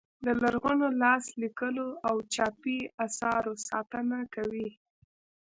د لرغونو لاس لیکلو او چاپي اثارو ساتنه کوي.